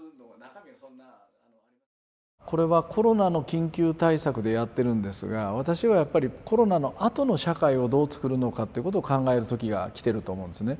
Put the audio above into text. これはコロナの緊急対策でやってるんですが私はやっぱりコロナのあとの社会をどうつくるのかっていうことを考える時が来てると思うんですね。